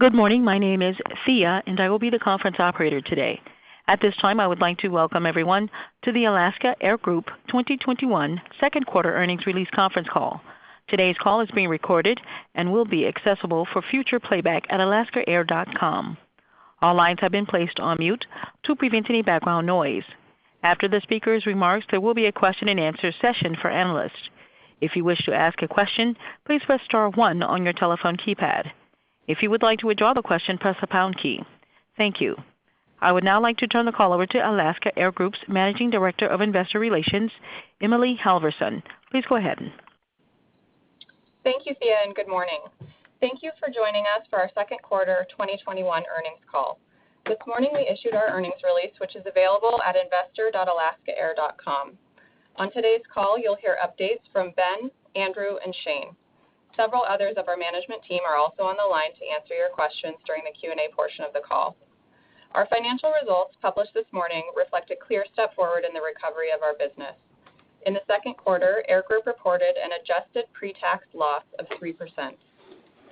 Good morning. My name is Thea, and I will be the conference operator today. At this time, I would like to welcome everyone to the Alaska Air Group 2021 second quarter earnings release conference call. Today's call is being recorded and will be accessible for future playback at alaskaair.com. All lines have been placed on mute to prevent any background noise. After the speaker's remarks, there will be a question and answer session for analysts. If you wish to ask a question, please press star one on your telephone keypad. If you would like to withdraw the question, press the pound key. Thank you. I would now like to turn the call over to Alaska Air Group's Managing Director of Investor Relations, Emily Halverson. Please go ahead. Thank you, Thea, and good morning. Thank you for joining us for our second quarter 2021 earnings call. This morning we issued our earnings release, which is available at investor.alaskaair.com. On today's call, you'll hear updates from Ben, Andrew, and Shane. Several others of our management team are also on the line to answer your questions during the Q&A portion of the call. Our financial results published this morning reflect a clear step forward in the recovery of our business. In the second quarter, Air Group reported an adjusted pre-tax loss of 3%.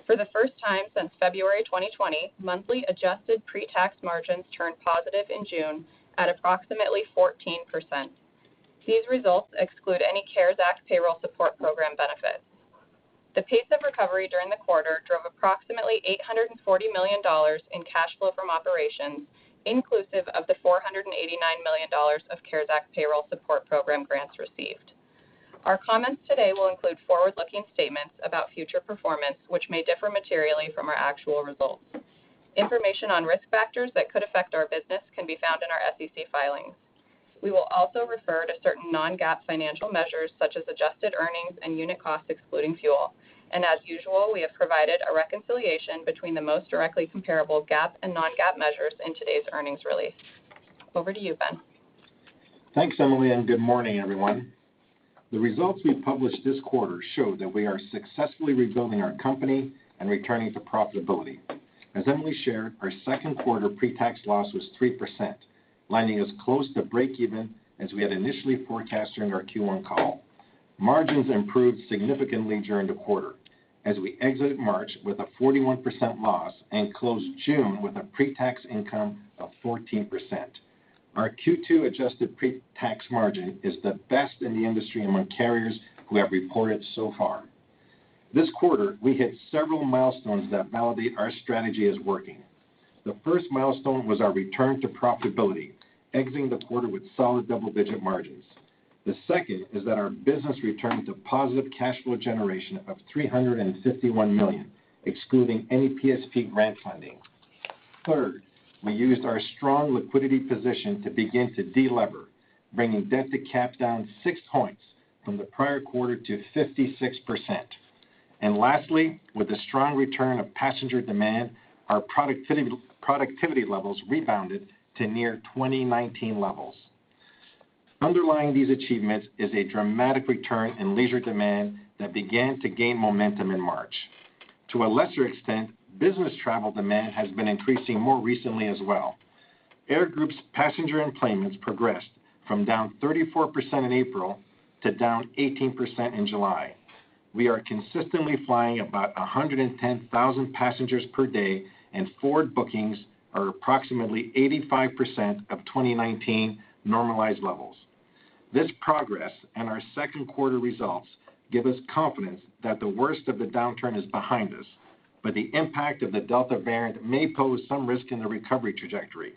For the first time since February 2020, monthly adjusted pre-tax margins turned positive in June at approximately 14%. These results exclude any CARES Act Payroll Support Program benefits. The pace of recovery during the quarter drove approximately $840 million in cash flow from operations, inclusive of the $489 million of CARES Act Payroll Support Program grants received. Our comments today will include forward-looking statements about future performance, which may differ materially from our actual results. Information on risk factors that could affect our business can be found in our SEC filings. We will also refer to certain non-GAAP financial measures such as adjusted earnings and unit costs excluding fuel. As usual, we have provided a reconciliation between the most directly comparable GAAP and non-GAAP measures in today's earnings release. Over to you, Ben. Thanks, Emily. Good morning, everyone. The results we published this quarter show that we are successfully rebuilding our company and returning to profitability. As Emily shared, our second quarter pre-tax loss was 3%, landing us close to breakeven as we had initially forecasted during our Q1 call. Margins improved significantly during the quarter as we exited March with a 41% loss and closed June with a pre-tax income of 14%. Our Q2 adjusted pre-tax margin is the best in the industry among carriers who have reported so far. This quarter, we hit several milestones that validate our strategy is working. The first milestone was our return to profitability, exiting the quarter with solid double-digit margins. The second is that our business returned to positive cash flow generation of $351 million, excluding any PSP grant funding. We used our strong liquidity position to begin to de-lever, bringing debt-to-cap down 6 points from the prior quarter to 56%. Lastly, with the strong return of passenger demand, our productivity levels rebounded to near 2019 levels. Underlying these achievements is a dramatic return in leisure demand that began to gain momentum in March. To a lesser extent, business travel demand has been increasing more recently as well. Air Group's passenger enplanements progressed from down 34% in April to down 18% in July. We are consistently flying about 110,000 passengers per day, and forward bookings are approximately 85% of 2019 normalized levels. This progress and our second quarter results give us confidence that the worst of the downturn is behind us, but the impact of the Delta variant may pose some risk in the recovery trajectory.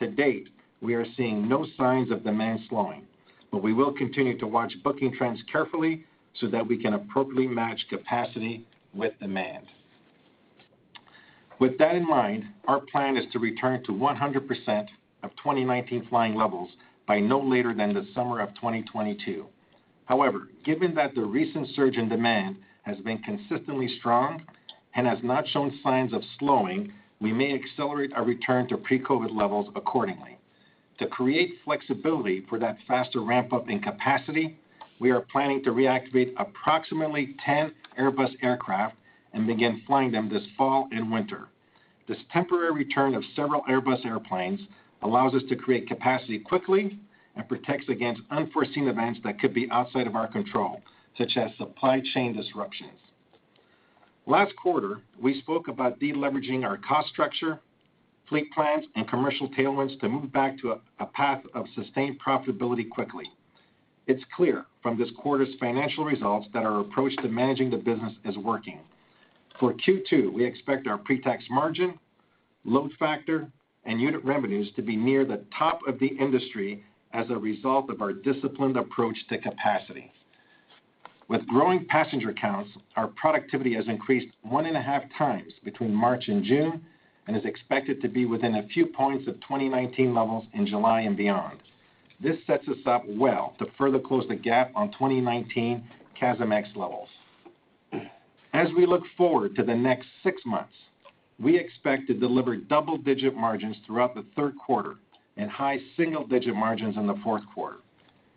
To date, we are seeing no signs of demand slowing, but we will continue to watch booking trends carefully so that we can appropriately match capacity with demand. With that in mind, our plan is to return to 100% of 2019 flying levels by no later than the summer of 2022. However, given that the recent surge in demand has been consistently strong and has not shown signs of slowing, we may accelerate our return to pre-COVID levels accordingly. To create flexibility for that faster ramp-up in capacity, we are planning to reactivate approximately 10 Airbus aircraft and begin flying them this fall and winter. This temporary return of several Airbus airplanes allows us to create capacity quickly and protects against unforeseen events that could be outside of our control, such as supply chain disruptions. Last quarter, we spoke about de-leveraging our cost structure, fleet plans, and commercial tailwinds to move back to a path of sustained profitability quickly. It's clear from this quarter's financial results that our approach to managing the business is working. For Q2, we expect our pre-tax margin, load factor, and unit revenues to be near the top of the industry as a result of our disciplined approach to capacity. With growing passenger counts, our productivity has increased one and a half times between March and June and is expected to be within a few points of 2019 levels in July and beyond. This sets us up well to further close the gap on 2019 CASMex levels. As we look forward to the next six months, we expect to deliver double-digit margins throughout the third quarter and high single-digit margins in the fourth quarter.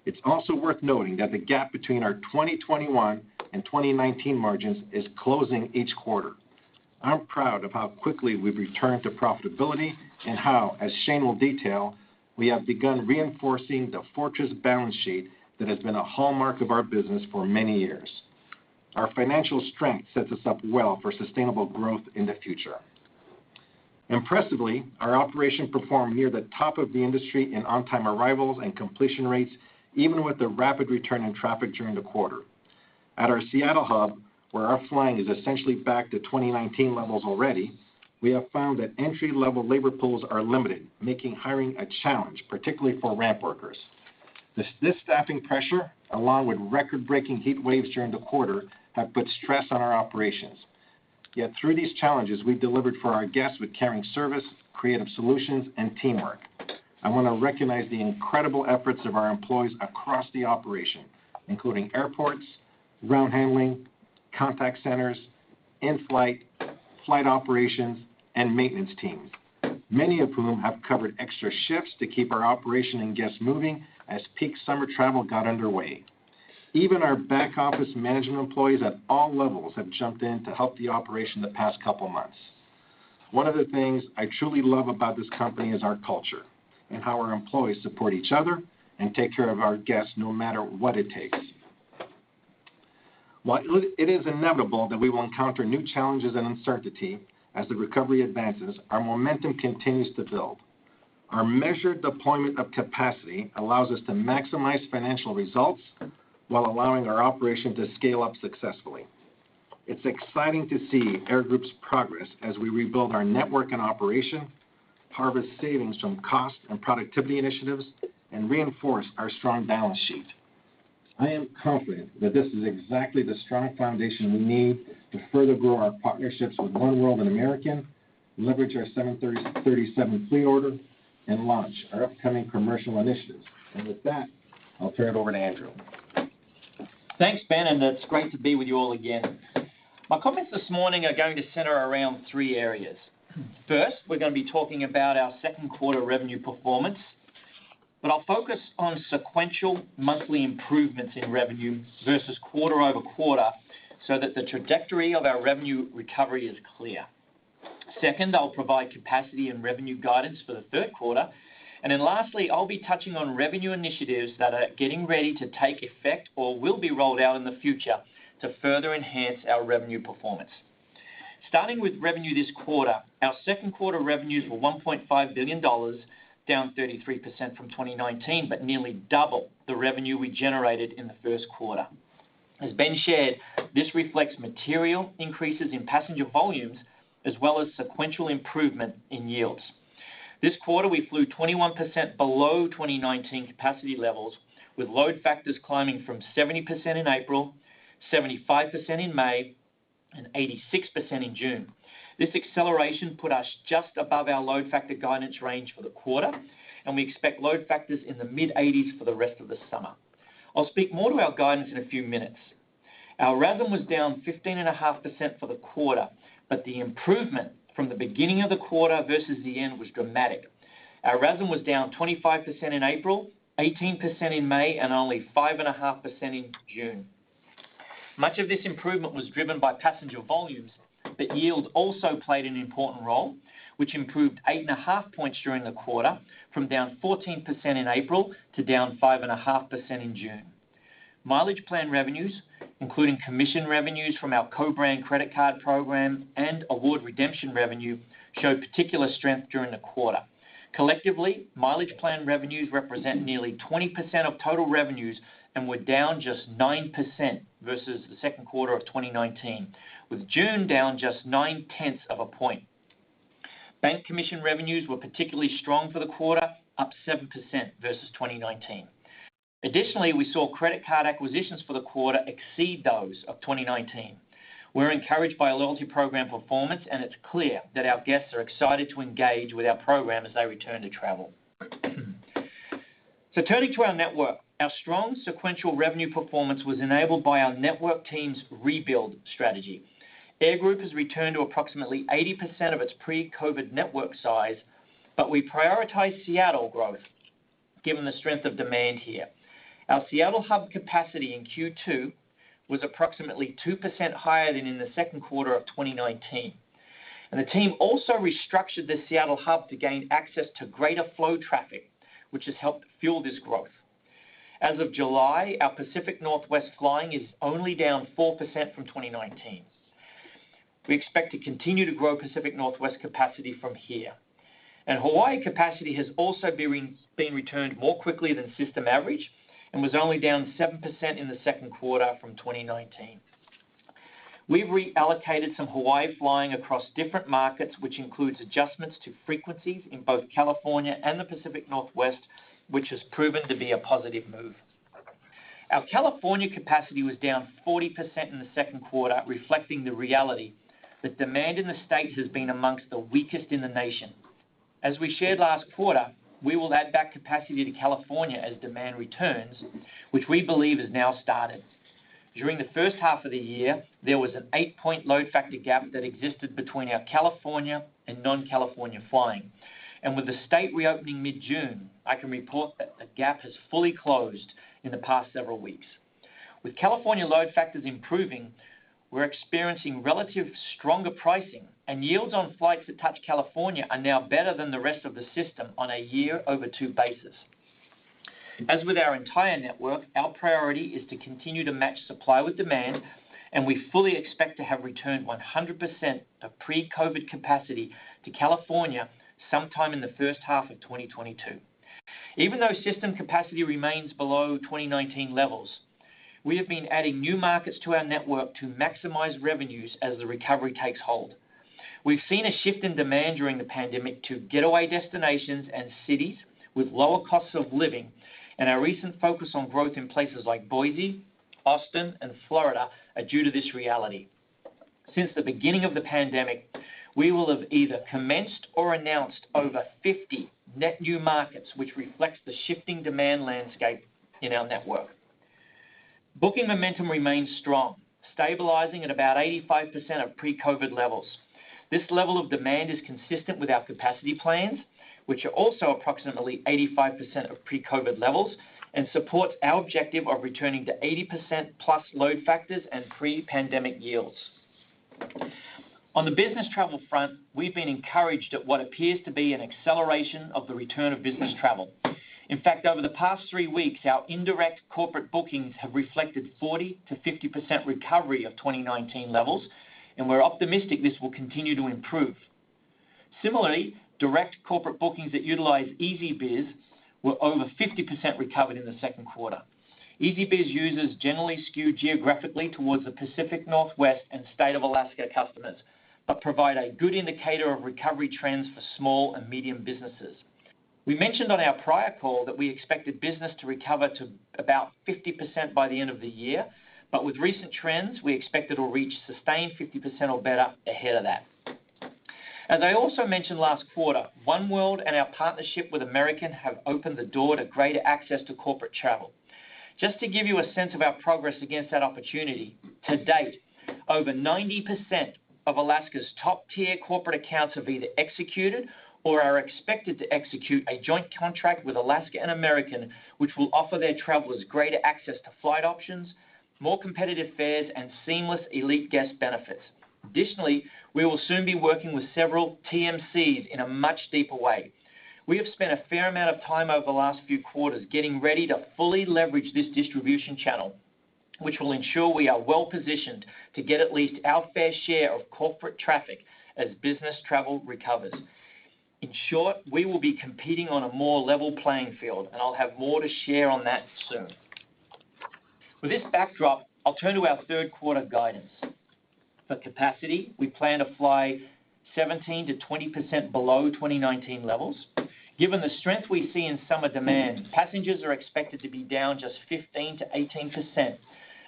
It's also worth noting that the gap between our 2021 and 2019 margins is closing each quarter. I'm proud of how quickly we've returned to profitability and how, as Shane will detail, we have begun reinforcing the fortress balance sheet that has been a hallmark of our business for many years. Our financial strength sets us up well for sustainable growth in the future. Impressively, our operation performed near the top of the industry in on-time arrivals and completion rates, even with the rapid return in traffic during the quarter. At our Seattle hub, where our flying is essentially back to 2019 levels already, we have found that entry-level labor pools are limited, making hiring a challenge, particularly for ramp workers. This staffing pressure, along with record-breaking heat waves during the quarter, have put stress on our operations. Through these challenges, we've delivered for our guests with caring service, creative solutions, and teamwork. I want to recognize the incredible efforts of our employees across the operation, including airports, ground handling, contact centers, in-flight, flight operations, and maintenance teams, many of whom have covered extra shifts to keep our operation and guests moving as peak summer travel got underway. Even our back office management employees at all levels have jumped in to help the operation the past couple of months. One of the things I truly love about this company is our culture and how our employees support each other and take care of our guests, no matter what it takes. It is inevitable that we will encounter new challenges and uncertainty as the recovery advances, our momentum continues to build. Our measured deployment of capacity allows us to maximize financial results while allowing our operation to scale up successfully. It's exciting to see Air Group's progress as we rebuild our network and operation, harvest savings from cost and productivity initiatives, and reinforce our strong balance sheet. I am confident that this is exactly the strong foundation we need to further grow our partnerships with oneworld and American, leverage our 737 pre-order, and launch our upcoming commercial initiatives. With that, I'll turn it over to Andrew. Thanks, Ben, and it's great to be with you all again. My comments this morning are going to center around three areas. First, we're going to be talking about our second quarter revenue performance. I'll focus on sequential monthly improvements in revenue versus quarter-over-quarter so that the trajectory of our revenue recovery is clear. Second, I'll provide capacity and revenue guidance for the third quarter. Lastly, I'll be touching on revenue initiatives that are getting ready to take effect or will be rolled out in the future to further enhance our revenue performance. Starting with revenue this quarter, our second quarter revenues were $1.5 billion, down 33% from 2019, but nearly double the revenue we generated in the first quarter. As Ben shared, this reflects material increases in passenger volumes, as well as sequential improvement in yields. This quarter, we flew 21% below 2019 capacity levels, with load factors climbing from 70% in April, 75% in May, and 86% in June. This acceleration put us just above our load factor guidance range for the quarter, and we expect load factors in the mid-80s for the rest of the summer. I'll speak more to our guidance in a few minutes. Our RASM was down 15.5% for the quarter, but the improvement from the beginning of the quarter versus the end was dramatic. Our RASM was down 25% in April, 18% in May, and only 5.5% in June. Much of this improvement was driven by passenger volumes, but yield also played an important role, which improved 8.5 points during the quarter from down 14% in April to down 5.5% in June. Mileage Plan revenues, including commission revenues from our co-brand credit card program and award redemption revenue, showed particular strength during the quarter. Collectively, Mileage Plan revenues represent nearly 20% of total revenues and were down just 9% versus the second quarter of 2019, with June down just nine-tenths of a point. Bank commission revenues were particularly strong for the quarter, up 7% versus 2019. Additionally, we saw credit card acquisitions for the quarter exceed those of 2019. We're encouraged by loyalty program performance, and it's clear that our guests are excited to engage with our program as they return to travel. Turning to our network, our strong sequential revenue performance was enabled by our network team's rebuild strategy. Air Group has returned to approximately 80% of its pre-COVID network size, but we prioritize Seattle growth given the strength of demand here. Our Seattle hub capacity in Q2 was approximately 2% higher than in the second quarter of 2019. The team also restructured the Seattle hub to gain access to greater flow traffic, which has helped fuel this growth. As of July, our Pacific Northwest flying is only down 4% from 2019. We expect to continue to grow Pacific Northwest capacity from here. Hawaii capacity has also been returned more quickly than system average and was only down 7% in the second quarter from 2019. We've reallocated some Hawaii flying across different markets, which includes adjustments to frequencies in both California and the Pacific Northwest, which has proven to be a positive move. Our California capacity was down 40% in the second quarter, reflecting the reality that demand in the state has been amongst the weakest in the nation. As we shared last quarter, we will add back capacity to California as demand returns, which we believe has now started. During the first half of the year, there was an 8-point load factor gap that existed between our California and non-California flying. With the state reopening mid-June, I can report that the gap has fully closed in the past several weeks. With California load factors improving, we're experiencing relative stronger pricing, and yields on flights that touch California are now better than the rest of the system on a year-over-2 basis. As with our entire network, our priority is to continue to match supply with demand, and we fully expect to have returned 100% of pre-COVID capacity to California sometime in the first half of 2022. Even though system capacity remains below 2019 levels, we have been adding new markets to our network to maximize revenues as the recovery takes hold. We've seen a shift in demand during the pandemic to getaway destinations and cities with lower costs of living, and our recent focus on growth in places like Boise, Austin, and Florida are due to this reality. Since the beginning of the pandemic, we will have either commenced or announced over 50 net new markets, which reflects the shifting demand landscape in our network. Booking momentum remains strong, stabilizing at about 85% of pre-COVID levels. This level of demand is consistent with our capacity plans, which are also approximately 85% of pre-COVID levels and supports our objective of returning to 80%+ load factors and pre-pandemic yields. On the business travel front, we've been encouraged at what appears to be an acceleration of the return of business travel. In fact, over the past three weeks, our indirect corporate bookings have reflected 40%-50% recovery of 2019 levels. We're optimistic this will continue to improve. Similarly, direct corporate bookings that utilize EasyBiz were over 50% recovered in the second quarter. EasyBiz users generally skew geographically towards the Pacific Northwest and State of Alaska customers but provide a good indicator of recovery trends for small and medium businesses. We mentioned on our prior call that we expected business to recover to about 50% by the end of the year, but with recent trends, we expect it'll reach sustained 50% or better ahead of that. As I also mentioned last quarter, oneworld and our partnership with American have opened the door to greater access to corporate travel. Just to give you a sense of our progress against that opportunity, to date, over 90% of Alaska's top-tier corporate accounts have either executed or are expected to execute a joint contract with Alaska and American, which will offer their travelers greater access to flight options, more competitive fares, and seamless elite guest benefits. Additionally, we will soon be working with several TMCs in a much deeper way. We have spent a fair amount of time over the last few quarters getting ready to fully leverage this distribution channel, which will ensure we are well-positioned to get at least our fair share of corporate traffic as business travel recovers. In short, we will be competing on a more level playing field, and I'll have more to share on that soon. With this backdrop, I'll turn to our third-quarter guidance. For capacity, we plan to fly 17%-20% below 2019 levels. Given the strength we see in summer demand, passengers are expected to be down just 15%-18%,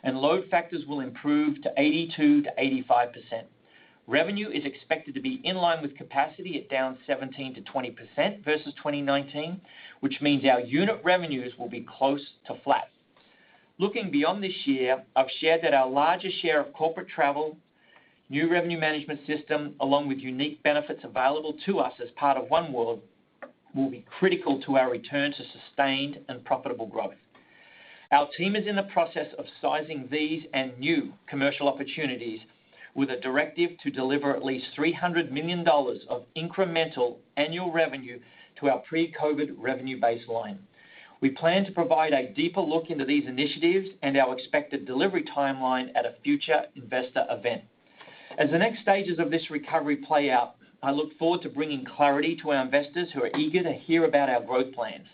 and load factors will improve to 82%-85%. Revenue is expected to be in line with capacity at down 17%-20% versus 2019, which means our unit revenues will be close to flat. Looking beyond this year, I've shared that our largest share of corporate travel, new revenue management system, along with unique benefits available to us as part of oneworld, will be critical to our return to sustained and profitable growth. Our team is in the process of sizing these and new commercial opportunities with a directive to deliver at least $300 million of incremental annual revenue to our pre-COVID revenue baseline. We plan to provide a deeper look into these initiatives and our expected delivery timeline at a future investor event. As the next stages of this recovery play out, I look forward to bringing clarity to our investors who are eager to hear about our growth plans.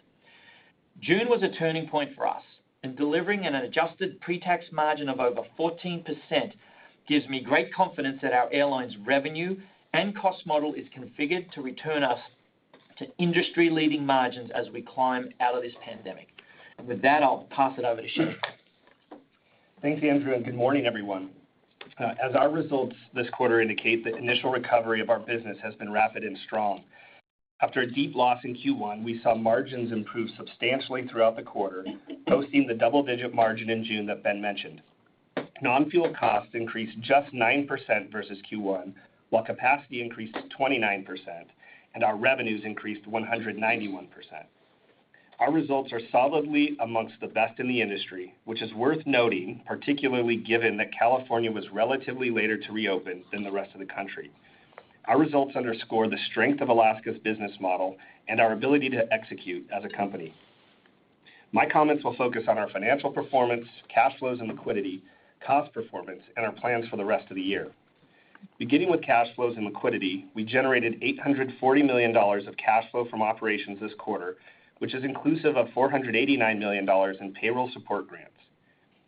June was a turning point for us, and delivering an adjusted pre-tax margin of over 14% gives me great confidence that our airline's revenue and cost model is configured to return us to industry-leading margins as we climb out of this pandemic. And with that, I'll pass it over to Shane. Thanks, Andrew, and good morning, everyone. As our results this quarter indicate, the initial recovery of our business has been rapid and strong. After a deep loss in Q1, we saw margins improve substantially throughout the quarter, posting the double-digit margin in June that Ben mentioned. Non-fuel costs increased just 9% versus Q1, while capacity increased 29% and our revenues increased 191%. Our results are solidly amongst the best in the industry, which is worth noting, particularly given that California was relatively later to reopen than the rest of the country. Our results underscore the strength of Alaska's business model and our ability to execute as a company. My comments will focus on our financial performance, cash flows and liquidity, cost performance, and our plans for the rest of the year. Beginning with cash flows and liquidity, we generated $840 million of cash flow from operations this quarter, which is inclusive of $489 million in payroll support grants.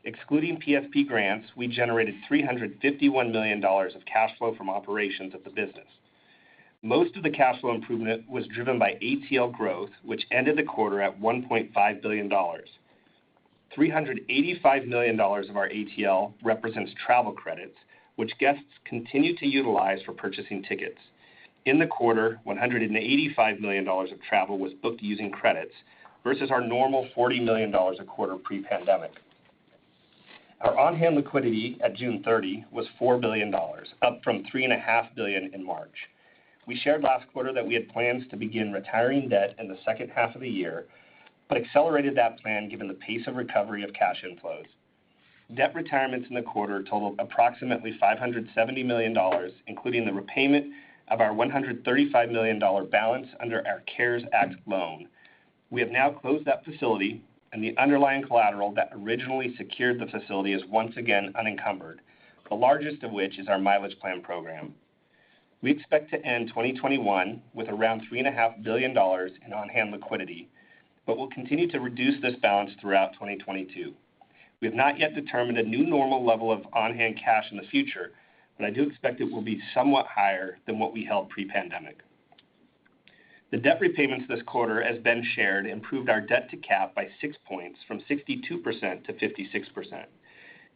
Excluding PSP grants, we generated $351 million of cash flow from operations of the business. Most of the cash flow improvement was driven by ATL growth, which ended the quarter at $1.5 billion. $385 million of our ATL represents travel credits, which guests continued to utilize for purchasing tickets. In the quarter, $185 million of travel was booked using credits versus our normal $40 million a quarter pre-pandemic. Our on-hand liquidity at June 30 was $4 billion, up from $3.5 billion in March. We shared last quarter that we had plans to begin retiring debt in the second half of the year. Accelerated that plan given the pace of recovery of cash inflows. Debt retirements in the quarter totaled approximately $570 million, including the repayment of our $135 million balance under our CARES Act loan. We have now closed that facility, and the underlying collateral that originally secured the facility is once again unencumbered, the largest of which is our Mileage Plan program. We expect to end 2021 with around $3.5 billion in on-hand liquidity, but we'll continue to reduce this balance throughout 2022. We have not yet determined a new normal level of on-hand cash in the future. I do expect it will be somewhat higher than what we held pre-pandemic. The debt repayments this quarter, as Ben shared, improved our debt-to-cap by six points, from 62%-56%.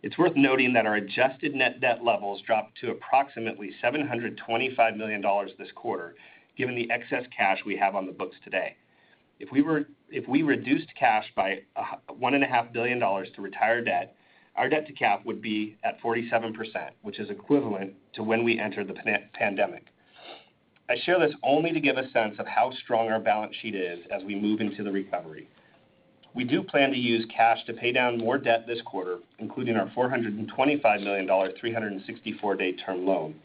It's worth noting that our adjusted net debt levels dropped to approximately $725 million this quarter, given the excess cash we have on the books today. If we reduced cash by $1.5 billion to retire debt, our debt-to-cap would be at 47%, which is equivalent to when we entered the pandemic. I share this only to give a sense of how strong our balance sheet is as we move into the recovery. We do plan to use cash to pay down more debt this quarter, including our $425 million 364-day term loan.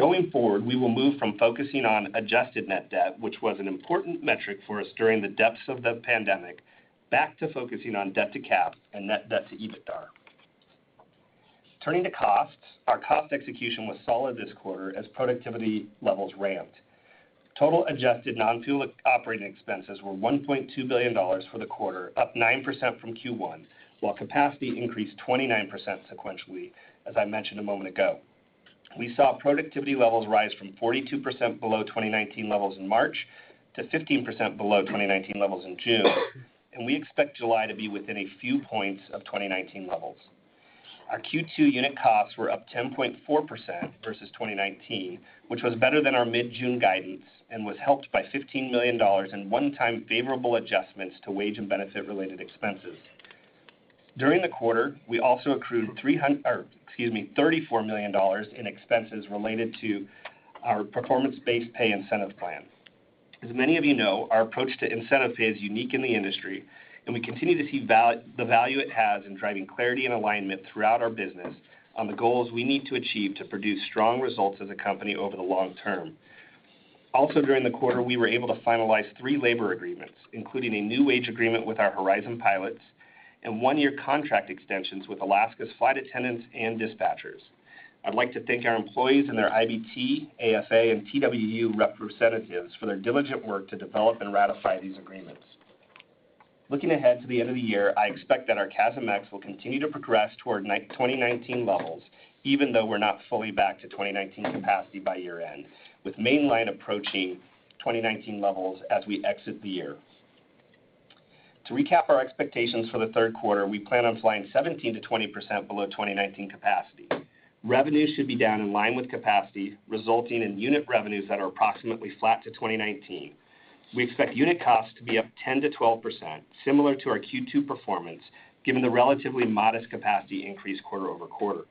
Going forward, we will move from focusing on adjusted net debt, which was an important metric for us during the depths of the pandemic, back to focusing on debt-to-cap and net debt to EBITDA. Turning to costs, our cost execution was solid this quarter as productivity levels ramped. Total adjusted non-fuel operating expenses were $1.2 billion for the quarter, up 9% from Q1, while capacity increased 29% sequentially, as I mentioned a moment ago. We saw productivity levels rise from 42% below 2019 levels in March to 15% below 2019 levels in June, and we expect July to be within a few points of 2019 levels. Our Q2 unit costs were up 10.4% versus 2019, which was better than our mid-June guidance and was helped by $15 million in one-time favorable adjustments to wage and benefit-related expenses. During the quarter, we also accrued $34 million in expenses related to our performance-based pay incentive plan. As many of you know, our approach to incentive pay is unique in the industry, and we continue to see the value it has in driving clarity and alignment throughout our business on the goals we need to achieve to produce strong results as a company over the long term. Also during the quarter, we were able to finalize three labor agreements, including a new wage agreement with our Horizon Air pilots and one-year contract extensions with Alaska Airlines' flight attendants and dispatchers. I'd like to thank our employees and their IBT, AFA, and TWU representatives for their diligent work to develop and ratify these agreements. Looking ahead to the end of the year, I expect that our CASM will continue to progress toward 2019 levels, even though we're not fully back to 2019 capacity by year-end, with mainline approaching 2019 levels as we exit the year. To recap our expectations for the third quarter, we plan on flying 17%-20% below 2019 capacity. Revenue should be down in line with capacity, resulting in unit revenues that are approximately flat to 2019. We expect unit costs to be up 10%-12%, similar to our Q2 performance, given the relatively modest capacity increase quarter-over-quarter.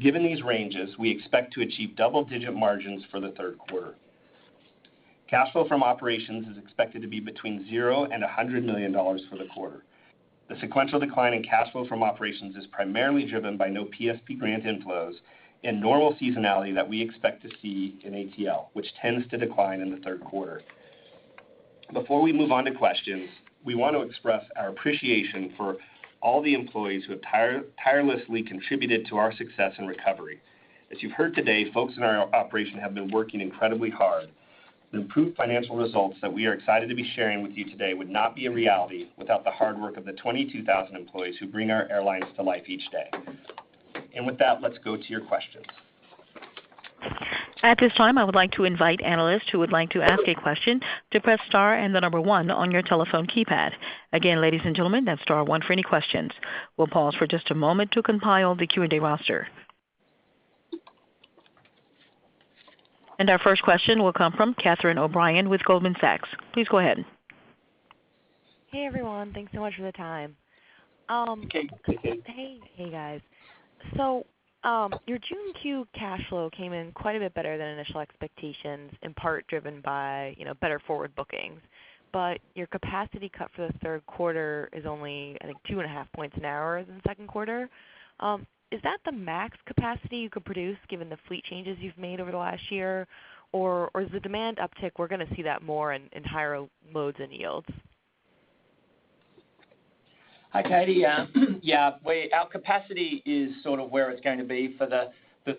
Given these ranges, we expect to achieve double-digit margins for the third quarter. Cash flow from operations is expected to be between zero and $100 million for the quarter. The sequential decline in cash flow from operations is primarily driven by no PSP grant inflows and normal seasonality that we expect to see in ATL, which tends to decline in the third quarter. Before we move on to questions, we want to express our appreciation for all the employees who have tirelessly contributed to our success and recovery. As you've heard today, folks in our operation have been working incredibly hard. The improved financial results that we are excited to be sharing with you today would not be a reality without the hard work of the 22,000 employees who bring our airlines to life each day. With that, let's go to your questions. At this time, I would like to invite analysts who would like to ask a question to press star and the number one on your telephone keypad. Again, ladies and gentlemen, that's star one for any questions. We'll pause for just a moment to compile the Q&A roster. Our first question will come from Catherine O'Brien with Goldman Sachs. Please go ahead. Hey, everyone. Thanks so much for the time. Hey, Katie. Hey, guys. Your June-Q cash flow came in quite a bit better than initial expectations, in part driven by better forward bookings. Your capacity cut for the third quarter is only, I think, 2.5 Points narrower than the second quarter. Is that the max capacity you could produce given the fleet changes you've made over the last year, or is the demand uptick, we're going to see that more in higher loads and yields? Hi, Katie. Yeah. Our capacity is sort of where it's going to be for the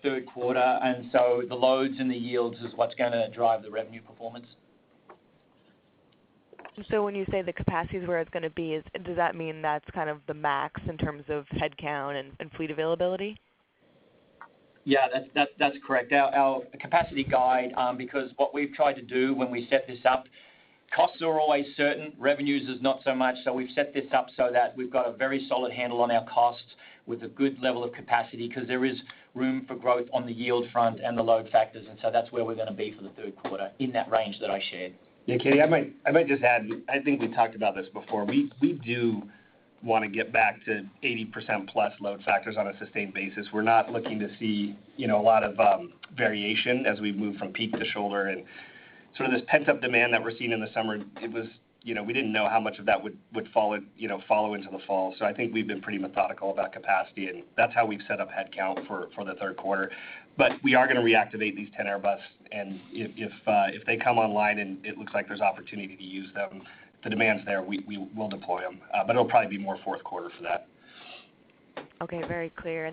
third quarter, the loads and the yields is what's going to drive the revenue performance. When you say the capacity is where it's going to be, does that mean that's kind of the max in terms of headcount and fleet availability? Yeah. That's correct. Our capacity guide, because what we've tried to do when we set this up, costs are always certain, revenues is not so much. We've set this up so that we've got a very solid handle on our costs with a good level of capacity because there is room for growth on the yield front and the load factors, and so that's where we're going to be for the third quarter, in that range that I shared. Yeah, Katie, I might just add, I think we talked about this before. We do want to get back to 80% plus load factors on a sustained basis. We're not looking to see a lot of variation as we move from peak to shoulder and sort of this pent-up demand that we're seeing in the summer, we didn't know how much of that would follow into the fall. I think we've been pretty methodical about capacity, and that's how we've set up headcount for the third quarter. We are going to reactivate these 10 Airbus, and if they come online and it looks like there's opportunity to use them, the demand's there, we will deploy them. It'll probably be more fourth quarter for that. Okay, very clear.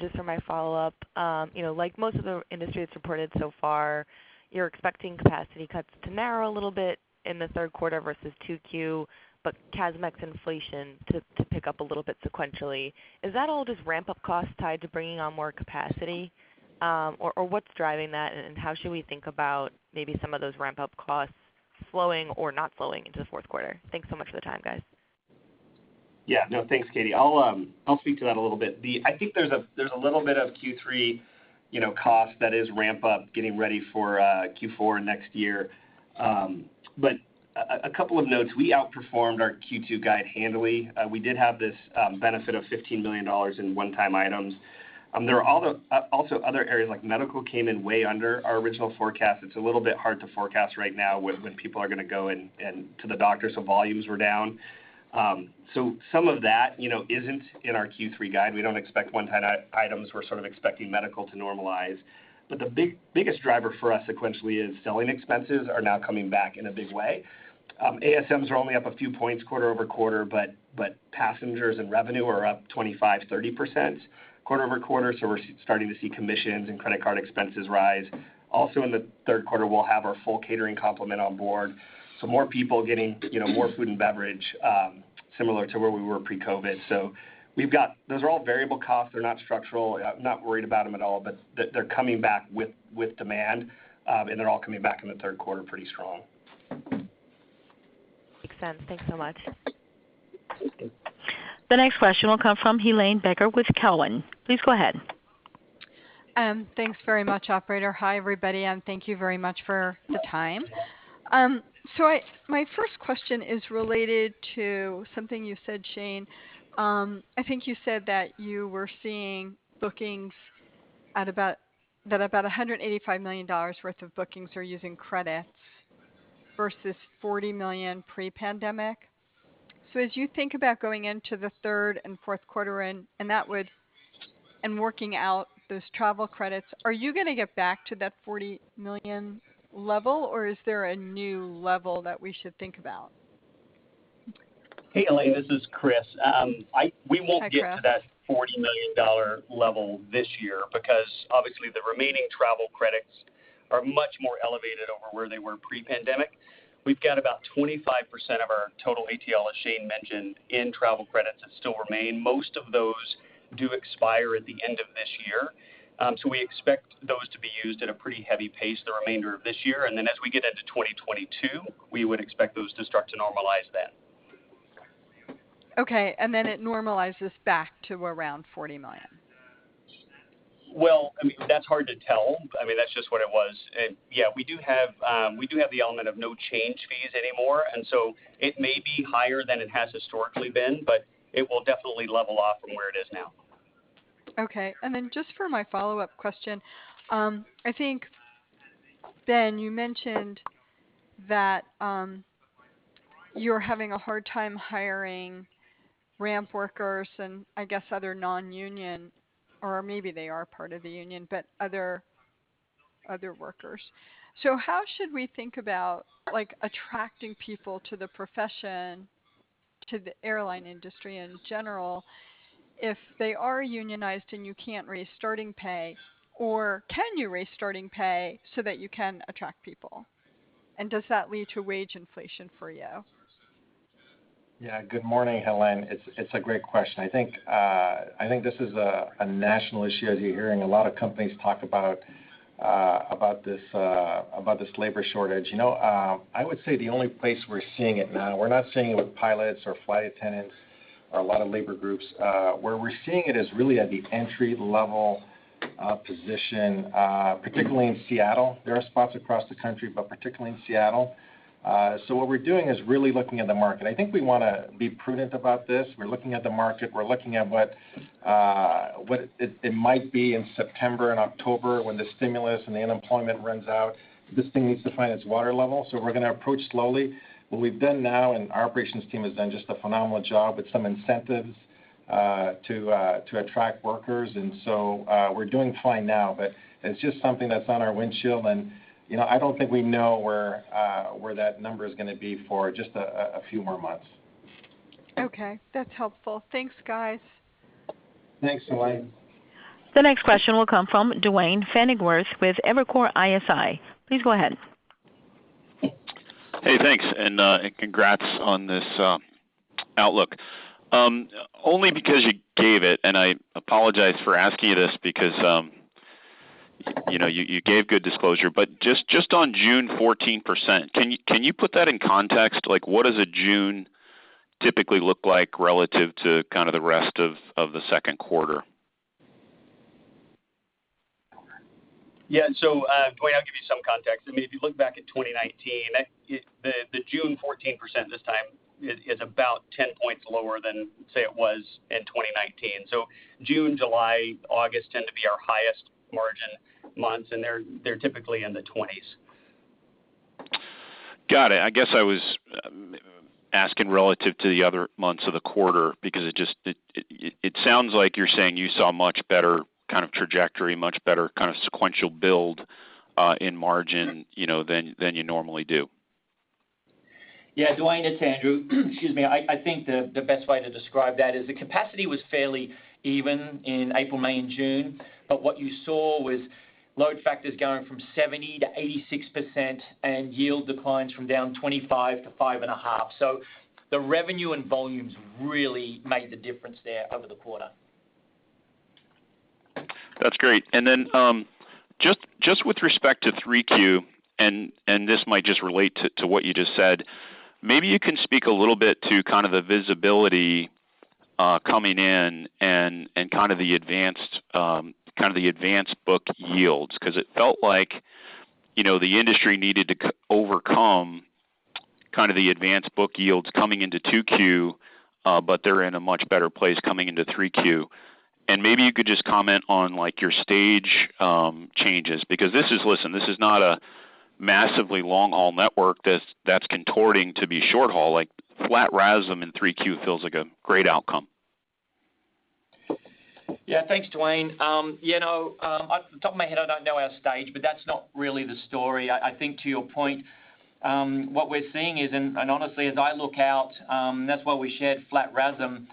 Just for my follow-up, like most of the industry that's reported so far, you're expecting capacity cuts to narrow a little bit in the third quarter versus 2Q, but CASMex inflation to pick up a little bit sequentially. Is that all just ramp-up costs tied to bringing on more capacity? What's driving that, and how should we think about maybe some of those ramp-up costs flowing or not flowing into the fourth quarter? Thanks so much for the time, guys. Yeah. No, thanks, Katie. I'll speak to that a little bit. A couple of notes: we outperformed our Q2 guide handily. We did have this benefit of $15 million in one-time items. There are also other areas, like medical came in way under our original forecast. It's a little bit hard to forecast right now when people are going to go in to the doctor, so volumes were down. Some of that isn't in our Q3 guide. We don't expect one-time items. We're sort of expecting medical to normalize. The biggest driver for us sequentially is selling expenses are now coming back in a big way. ASMs are only up a few points quarter-over-quarter, but passengers and revenue are up 25%, 30% quarter-over-quarter, so we're starting to see commissions and credit card expenses rise. Also in the third quarter, we'll have our full catering complement on board. More people getting more food and beverage, similar to where we were pre-COVID. Those are all variable costs. They're not structural. I'm not worried about them at all, but they're coming back with demand. They're all coming back in the third quarter pretty strong. Makes sense. Thanks so much. The next question will come from Helane Becker with Cowen. Please go ahead. Thanks very much, operator. Hi, everybody, and thank you very much for the time. My first question is related to something you said, Shane. I think you said that you were seeing that about $185 million worth of bookings are using credits versus $40 million pre-pandemic. As you think about going into the third and fourth quarter, and working out those travel credits, are you going to get back to that $40 million level, or is there a new level that we should think about? Hey, Helane, this is Chris. Hi, Chris. We won't get to that $40 million level this year because obviously the remaining travel credits are much more elevated over where they were pre-pandemic. We've got about 25% of our total ATL, as Shane mentioned, in travel credits that still remain. Most of those do expire at the end of this year. We expect those to be used at a pretty heavy pace the remainder of this year. As we get into 2022, we would expect those to start to normalize then. Okay, then it normalizes back to around $40 million. Well, that's hard to tell. That's just what it was. Yeah, we do have the element of no change fees anymore, and so it may be higher than it has historically been, but it will definitely level off from where it is now. Okay. Just for my follow-up question, I think, Ben Minicucci, you mentioned that you're having a hard time hiring ramp workers and I guess other non-union, or maybe they are part of the union, but other workers. How should we think about attracting people to the profession, to the airline industry in general, if they are unionized and you can't raise starting pay? Can you raise starting pay so that you can attract people? Does that lead to wage inflation for you? Yeah. Good morning, Helane. It's a great question. I think this is a national issue, as you're hearing a lot of companies talk about this labor shortage. I would say the only place we're seeing it now, we're not seeing it with pilots or flight attendants or a lot of labor groups. Where we're seeing it is really at the entry-level position, particularly in Seattle. There are spots across the country, but particularly in Seattle. What we're doing is really looking at the market. I think we want to be prudent about this. We're looking at the market. We're looking at what it might be in September and October when the stimulus and the unemployment runs out. This thing needs to find its water level, so we're going to approach slowly. What we've done now, and our operations team has done just a phenomenal job with some incentives to attract workers. We're doing fine now. It's just something that's on our windshield. I don't think we know where that number is going to be for just a few more months. Okay. That's helpful. Thanks, guys. Thanks, Helane. The next question will come from Duane Pfennigwerth with Evercore ISI. Please go ahead. Hey, thanks, and congrats on this outlook. Only because you gave it, and I apologize for asking you this because you gave good disclosure, but just on June 14%, can you put that in context? What does a June typically look like relative to kind of the rest of the second quarter? Yeah. Duane, I'll give you some context. If you look back at 2019, the June 14% this time is about 10 points lower than, say, it was in 2019. June, July, August tend to be our highest margin months, and they're typically in the 20s. Got it. I guess I was asking relative to the other months of the quarter, because it sounds like you're saying you saw a much better trajectory, much better sequential build in margin than you normally do. Yeah, Duane, it's Andrew. Excuse me. I think the best way to describe that is the capacity was fairly even in April, May, and June, but what you saw was load factors going from 70%-86% and yield declines from -25% to -5.5%. The revenue and volumes really made the difference there over the quarter. That's great. Then just with respect to 3Q, and this might just relate to what you just said, maybe you can speak a little bit to the visibility coming in and the advanced book yields, because it felt like the industry needed to overcome the advanced book yields coming into 2Q, but they're in a much better place coming into 3Q. Maybe you could just comment on your stage changes, because this is, listen, this is not a massively long-haul network that's contorting to be short haul, like flat RASM in 3Q feels like a great outcome. Yeah, thanks, Duane. Off the top of my head, I don't know our stage, but that's not really the story. I think to your point, what we're seeing is, and honestly as I look out, that's why we shared flat RASM.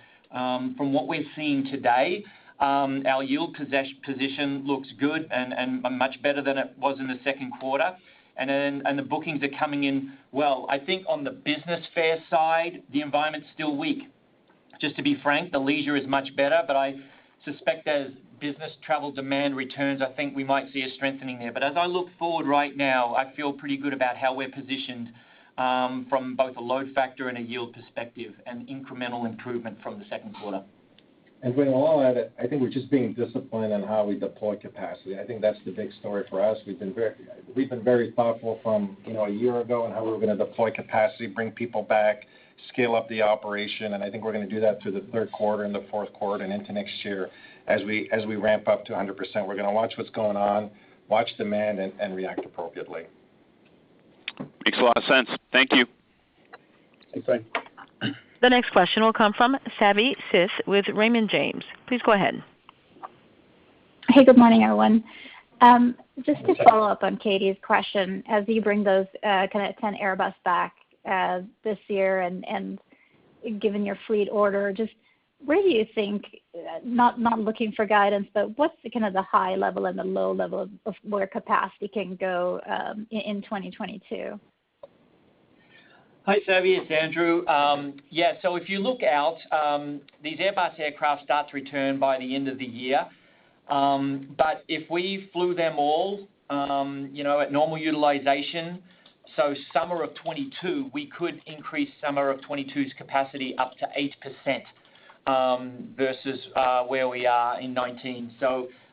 From what we're seeing today, our yield position looks good and much better than it was in the second quarter, and the bookings are coming in well. I think on the business fare side, the environment's still weak, just to be frank. The leisure is much better. I suspect as business travel demand returns, I think we might see a strengthening there. As I look forward right now, I feel pretty good about how we're positioned from both a load factor and a yield perspective, and incremental improvement from the second quarter. Duane, while we're at it, I think we're just being disciplined on how we deploy capacity. I think that's the big story for us. We've been very thoughtful from a year ago on how we were going to deploy capacity, bring people back, scale up the operation, and I think we're going to do that through the third quarter and the fourth quarter and into next year as we ramp up to 100%. We're going to watch what's going on, watch demand, and react appropriately. Makes a lot of sense. Thank you. Thanks, Duane. The next question will come from Savi Syth with Raymond James. Please go ahead. Hey, good morning, everyone. Just to follow up on Katie's question, as you bring those 10 Airbus back this year and given your fleet order, just where do you think, not looking for guidance, but what's the high level and the low level of where capacity can go in 2022? Hi, Savi. It's Andrew. Yeah. If you look out, these Airbus aircraft start to return by the end of the year. If we flew them all at normal utilization, summer of 2022, we could increase summer of 2022's capacity up to 8% versus where we are in 2019.